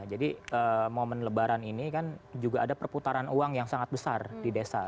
jadi momen lebaran ini kan juga ada perputaran uang yang sangat besar di desa